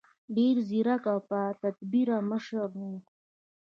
ډېر ځیرک او باتدبیره مشر و.